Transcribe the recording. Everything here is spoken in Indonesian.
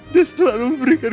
dia selalu memberikan